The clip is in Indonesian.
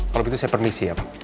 kalau begitu saya permisi ya pak